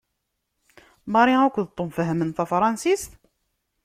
Mary akked Tom fehhmen tafṛansist?